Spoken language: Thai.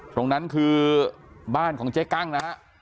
ตรงนั้นคือบ้านของเจ๊กั้งนะฮะ